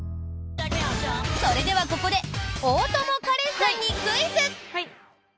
それでは、ここで大友花恋さんにクイズ。